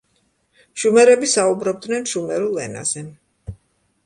შუმერები საუბრობდნენ შუმერულ ენაზე.